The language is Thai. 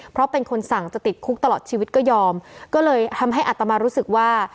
เพราะเป็นคนสั่งจะติดคุกตลอดชีวิตก็ยอมก็เลยทำให้อัตมารู้สึกว่า